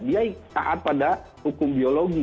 dia taat pada hukum biologi